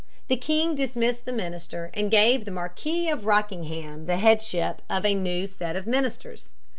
The king dismissed the minister, and gave the Marquis of Rockingham the headship of a new set of ministers.